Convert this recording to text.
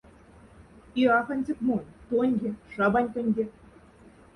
И аф аньцек монь, тоньге, шабаньконьге.